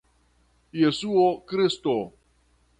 Jesuo Kristo!